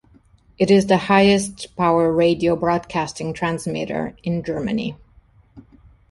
It is the highest power radio broadcasting transmitter in Germany.